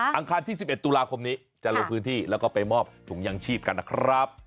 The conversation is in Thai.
อังคารที่๑๑ตุลาคมนี้จะลงพื้นที่แล้วก็ไปมอบถุงยางชีพกันนะครับ